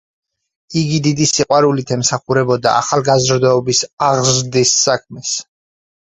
იგი დიდი სიყვარულით ემსახურებოდა ახალგაზრდობის აღზრდის საქმეს.